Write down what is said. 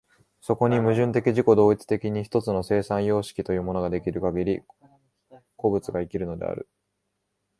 そこに矛盾的自己同一的に一つの生産様式というものが出来るかぎり、個物が生きるのである。